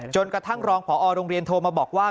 จนกระทั่งรองพอโรงเรียนโทรมาบอกว่า